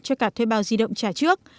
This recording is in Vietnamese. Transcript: cho cả thuê bao di động trả trước